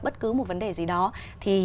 bất cứ một vấn đề gì đó thì